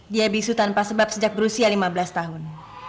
dia bisu tanpa sebab sejak berusia lima belas tahun